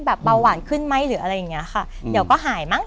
เบาหวานขึ้นไหมหรืออะไรอย่างเงี้ยค่ะเดี๋ยวก็หายมั้ง